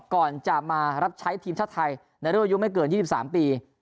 ก่อนจะมารับใช้ทีมชาติไทยในรุ่นอายุไม่เกิน๒๓ปี